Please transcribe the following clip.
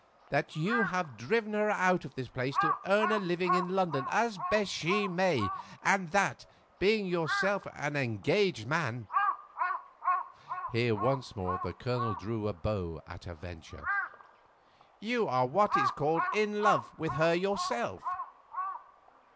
That you have driven her out of this place to earn a living in London as best she may, and that, being yourself an engaged man"—here once more the Colonel drew a bow at a venture—"you are what is called in love with her yourself."